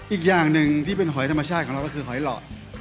อีกอย่างหนึ่งที่เป็นหอยธรรมชาติของเราก็คือหอยหล่อ